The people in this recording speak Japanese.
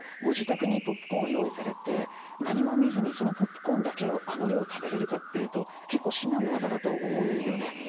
ご自宅にポップコーンを用意されて何も見ずにそのポップコーンだけをあの量食べれるかっていうと結構至難の業だと思うんですよね。